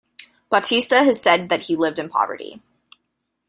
Bautista has said that he lived in poverty.